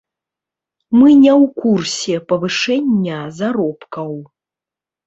Мы не ў курсе павышэння заробкаў.